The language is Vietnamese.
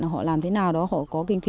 họ làm thế nào đó họ có kinh phí